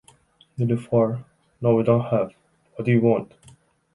Niloufar: No we don't have, what do you want?